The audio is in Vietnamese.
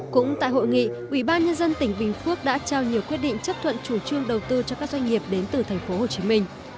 cũng tại hội nghị ủy ban nhân dân tỉnh bình phước đã trao nhiều quyết định chấp thuận chủ trương đầu tư cho các doanh nghiệp đến từ tp hcm